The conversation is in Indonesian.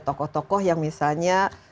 tokoh tokoh yang misalnya